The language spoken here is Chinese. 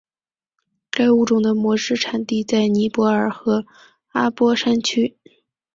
该物种的模式产地在尼泊尔和阿波山区。